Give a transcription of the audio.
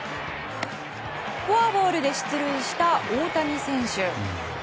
フォアボールで出塁した大谷選手。